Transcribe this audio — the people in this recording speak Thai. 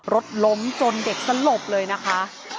รถล้มจนเด็กสลบเลยนะคะ